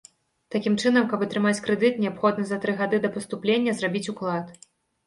Такім чынам, каб атрымаць крэдыт, неабходна за тры гады да паступлення зрабіць уклад.